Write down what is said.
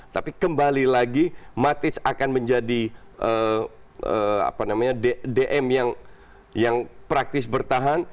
tapi kembali lagi matic akan menjadi dm yang praktis bertahan